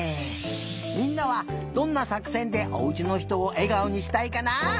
みんなはどんなさくせんでおうちのひとをえがおにしたいかな？